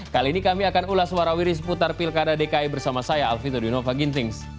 kali ini kami akan ulas suara wiris putar pilkada dki bersama saya alfito dinova gintings